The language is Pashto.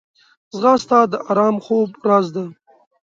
ځغاسته د ارام خوب راز ده